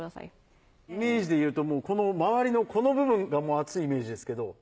イメージで言うとこの周りのこの部分がもう熱いイメージですけど。